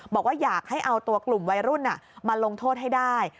บอกว่าอยากให้เอาตัวกลุ่มวัยรุ่นมาลงโทษให้ได้